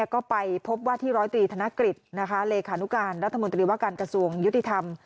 ก็ไปพบว่าที่ร้อยตรีธนกฤษเลขานุการรัฐมนตรีว่าการกระทรวงยุติธรรม